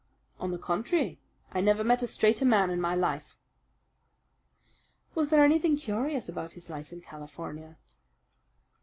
"On the contrary, I never met a straighter man in my life." "Was there anything curious about his life in California?"